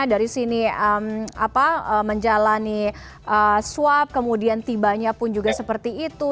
dari sini menjalani swab kemudian tibanya pun juga seperti itu